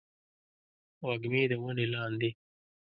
وږمې د ونې لاندې